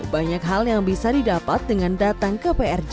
banyak hal yang bisa didapat dengan datang ke prj